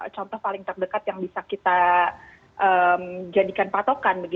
contoh paling terdekat yang bisa kita jadikan patokan